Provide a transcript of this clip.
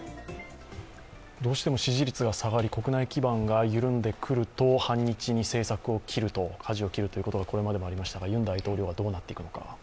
どうしても支持率が下がり、国内基盤が緩んでくると反日にかじを切るということがこれまでもありましたがユン大統領はどうなっていくのか。